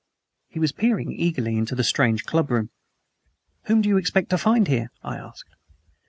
He was peering out eagerly into the strange clubroom. "Whom do you expect to find here?" I asked.